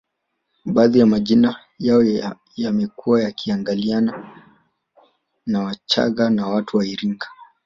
Baadhi ya majina yao yamekuwa yakiingiliana na ya wachaga na watu wa iringa